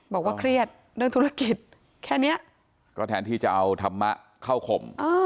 บอกว่าเครียดเรื่องธุรกิจแค่เนี้ยก็แทนที่จะเอาธรรมะเข้าข่ม